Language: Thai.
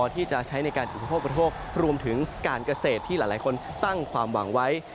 ที่จะใช้ในการอุปโภคบริโภครวมถึงการเกษตรที่หลายคนตั้งความหวังไว้